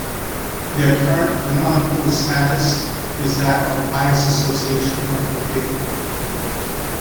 Their current canonical status is that of a Pious Association of the Faithful.